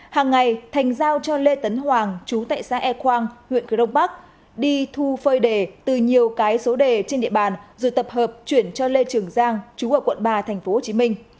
hàng ngày thành giao cho lê tấn hoàng chú tệ sa e khoang huyện cửa đông bắc đi thu phơi đề từ nhiều cái số đề trên địa bàn rồi tập hợp chuyển cho lê trường giang chú ở quận ba thành phố hồ chí minh